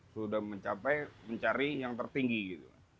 sudah mencapai mencari yang tertinggi gitu